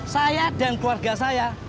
saya dan keluarga saya